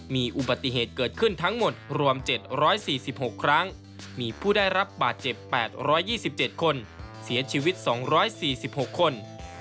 มีอุบัติเหตุเกิดขึ้นทั้งหมดรวม๗๔๖ครั้งมีผู้ได้รับบาดเจ็บ๘๒๗คนเสียชีวิต๒๔๖คน